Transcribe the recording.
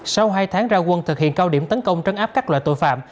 sau hai tháng ra quân thực hiện cao điểm tấn công trấn áp các loại tội phạm